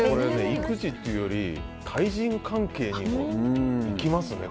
育児っていうより対人関係にも生きますね。